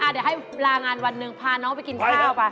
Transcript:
เดี๋ยวให้ลางานวันหนึ่งพาน้องไปกินไฟโดไป